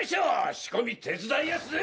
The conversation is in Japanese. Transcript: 仕込み手伝いやすぜ！